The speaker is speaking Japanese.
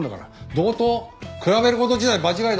同等？比べる事自体間違いだ。